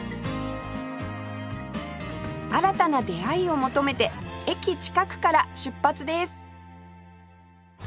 新たな出会いを求めて駅近くから出発です